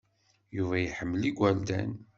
Yuba iḥemmel igerdan.